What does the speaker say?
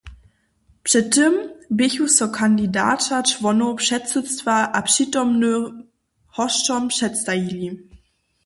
Před tym běchu so kandidaća čłonam předsydstwa a přitomnym hosćom předstajili.